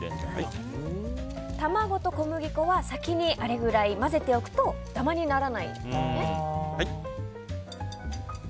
卵と小麦粉は先にあれくらい混ぜておくとダマにならないんですね。